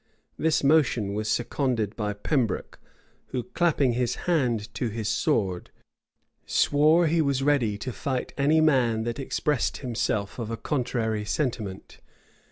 [] This motion was seconded by Pembroke, who, clapping his hand to his sword, swore he was ready to fight any man that expressed himself of a contrary sentiment.